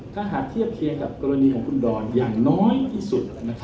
ถ้าหากเทียบเคียงกับกรณีของคุณดอนอย่างน้อยที่สุด